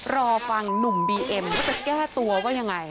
รอฟังหนุ่มบีเอ็มว่าจะแก้ตัวว่ายังไง